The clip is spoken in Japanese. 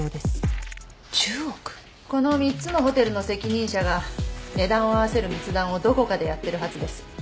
この３つのホテルの責任者が値段を合わせる密談をどこかでやってるはずです。